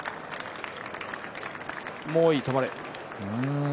もういい、止まれ。